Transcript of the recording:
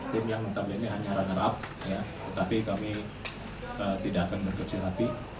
tim yang menampilkan ini hanya ranarab tapi kami tidak akan berkecil hati